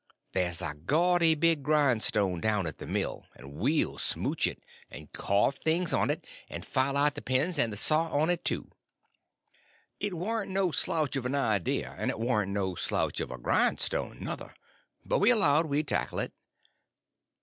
There's a gaudy big grindstone down at the mill, and we'll smouch it, and carve the things on it, and file out the pens and the saw on it, too." It warn't no slouch of an idea; and it warn't no slouch of a grindstone nuther; but we allowed we'd tackle it.